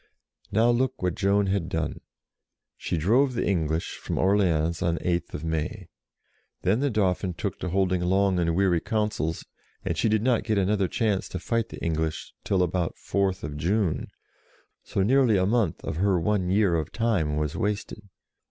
Now look what Joan had done. She drove the English from Orleans on 8th May. Then the Dauphin took to holding long and weary councils, and she did not get another chance to fight the English till about 4th June, so nearly a month of her one year of time was wasted.